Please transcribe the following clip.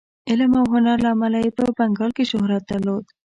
د علم او هنر له امله یې په بنګال کې شهرت درلود.